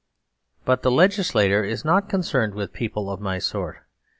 But the legislator is not concerned with people of my sort.